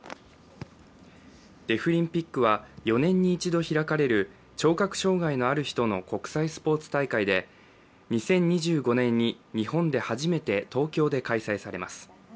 デフリンピックは４年に１度開かれる聴覚障害のある人の国際スポーツ大会で、２０２５年に日本で初めて東京で開催されます。